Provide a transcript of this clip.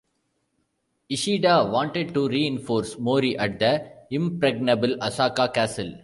Ishida wanted to reinforce Mori at the impregnable Osaka Castle.